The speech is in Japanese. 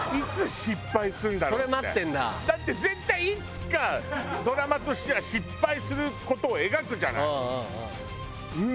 だって絶対いつかドラマとしては失敗する事を描くじゃない。